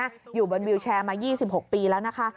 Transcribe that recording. อยู่บนวิวแชร์มา๒๖ปีแล้วนะคะ